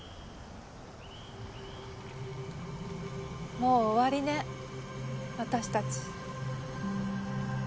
もう終わりね私たち。